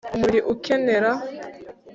umubiri ukenera